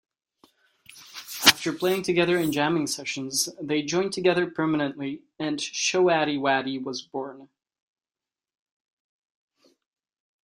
After playing together in jamming sessions, they joined together permanently and Showaddywaddy was born.